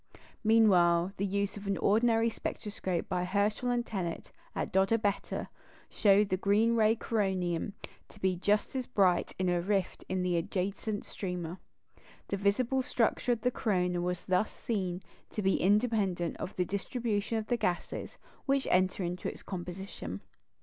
Meanwhile, the use of an ordinary spectroscope by Herschel and Tennant at Dodabetta showed the green ray of coronium to be just as bright in a rift as in the adjacent streamer. The visible structure of the corona was thus seen to be independent of the distribution of the gases which enter into its composition.